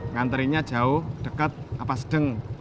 nganterinnya jauh dekat apa sedeng